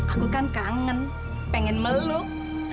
aku kan kangen pengen meluk